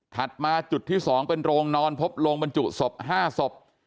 มาจุดที่๒เป็นโรงนอนพบโรงบรรจุศพ๕ศพ